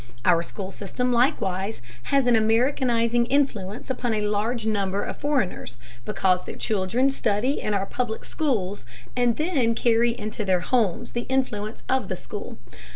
Our school system likewise has an Americanizing influence upon a large number of foreigners because their children study in our public schools and then carry into their homes the influence of the school.